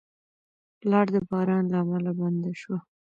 لار د باران له امله بنده شوه.